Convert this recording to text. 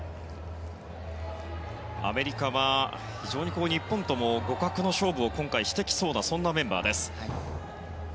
アメリカは非常に日本とも互角の勝負を今回してきそうなメンバーです。